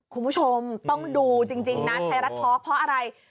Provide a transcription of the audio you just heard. คุณผู้ชมต้องดูจริงนะไทยรัฐท็อกเพราะอะไร